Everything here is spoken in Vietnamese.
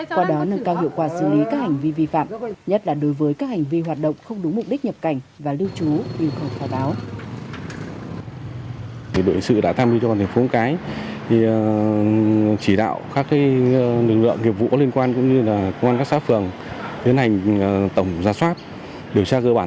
qua đó nâng cao hiệu quả xử lý các hành vi vi phạm nhất là đối với các hành vi hoạt động không đúng mục đích nhập cảnh và lưu trú báo